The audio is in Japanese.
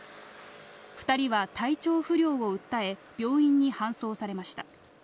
２人は体調不良を訴え、病院に搬送されました。